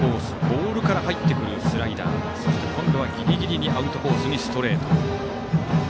ボールから入ってくるスライダー、そして今度はギリギリにアウトコースにストレート。